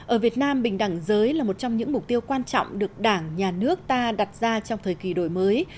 ở việt nam bình đẳng giới là một trong những mục tiêu quan trọng được đảng nhà nước ta đặt ra trong thời kỳ đổi mới